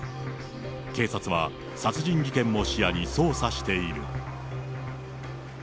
警察は、殺人事件も視野に捜査している。